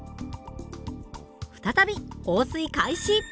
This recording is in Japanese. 再び放水開始！